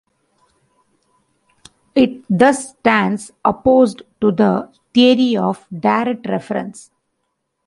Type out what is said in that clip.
It thus stands opposed to the theory of direct reference.